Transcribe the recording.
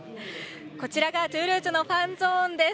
こちらがトゥールーズのファンゾーンです。